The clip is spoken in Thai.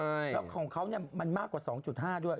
แล้วของเขามันมากกว่า๒๕ด้วย